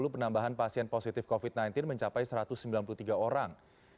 penambahan pasien positif covid sembilan belas mencapai satu ratus sembilan puluh tiga orang